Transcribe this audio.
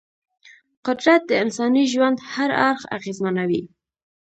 قدرت د انساني ژوند هر اړخ اغېزمنوي.